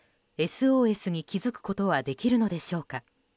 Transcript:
ＳＯＳに気づくことはできるのでしょうか。